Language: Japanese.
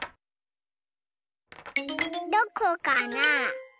どこかな？